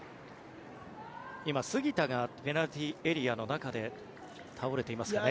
今、杉田がペナルティーエリアの中で倒れてますかね。